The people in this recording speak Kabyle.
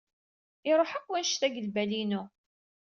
Iṛuḥ akk wanect-a seg lbal-inu.